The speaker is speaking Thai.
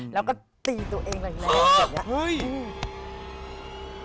แล้วก็ตีตัวเองแรงแบบนี้เฮ้ย